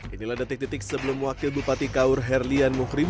inilah detik detik sebelum wakil bupati kaur herlian mukrim